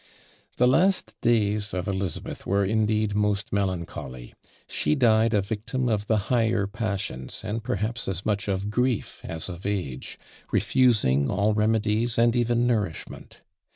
The last days of Elizabeth were indeed most melancholy she died a victim of the higher passions, and perhaps as much of grief as of age, refusing all remedies and even nourishment.